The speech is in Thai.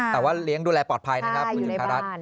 แต่ว่าเลี้ยงดูแลปลอดภัยนะครับอยู่ในบ้าน